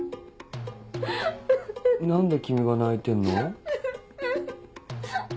何で君が泣いてんの？